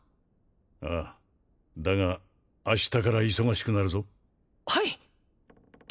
ああだが明日から忙しくなるぞはい！